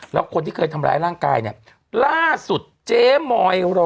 แล้วคนที่เคยทำร้ายร่างกายเนี่ยล่าสุดเจ๊มอยรอ